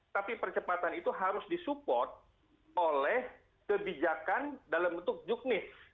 tapi percepatan itu harus disupport oleh kebijakan dalam bentuk juknis